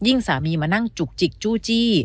ยิ่งสามีมานั่งจุกจิกจู่จี่